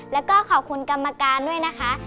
แล้วก็ขอบคุณกรรมการด้วยนะคะ